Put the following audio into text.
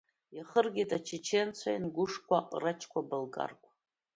Иахыргеит ачеченцәа, аингәшқәа, аҟарачқәа, абалкарқәа.